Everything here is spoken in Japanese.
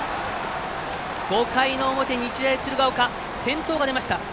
５回の表、日大鶴ヶ丘先頭が出ました。